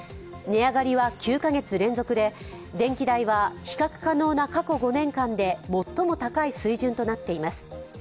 値上がりは９カ月連続で、電気代は比較可能な過去５年間で最も高い水準となっています。